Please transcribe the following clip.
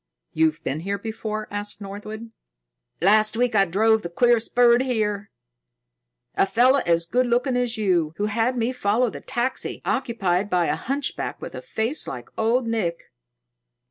"You've been here before?" asked Northwood. "Last week I drove the queerest bird here a fellow as good looking as you, who had me follow the taxi occupied by a hunchback with a face like Old Nick."